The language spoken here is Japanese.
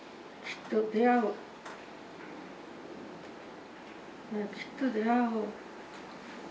「きっと出会う」。